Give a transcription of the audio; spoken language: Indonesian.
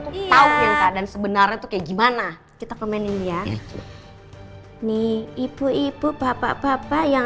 tahu yang kadang sebenarnya tuh kayak gimana kita komenin ya nih ibu ibu bapak bapak yang